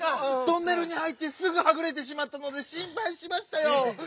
トンネルに入ってすぐはぐれてしまったのでしんぱいしましたよ！